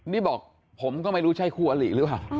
นี่บอกผมก็ไม่รู้ใช่คู่อลิหรือเปล่า